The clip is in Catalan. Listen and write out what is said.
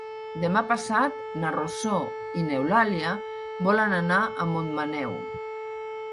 Demà passat na Rosó i n'Eulàlia volen anar a Montmaneu.